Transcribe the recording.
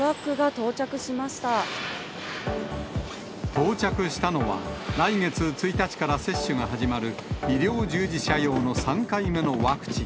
到着したのは、来月１日から接種が始まる医療従事者用の３回目のワクチン。